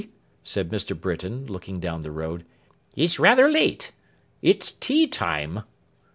said Mr. Britain, looking down the road, 'is rather late. It's tea time.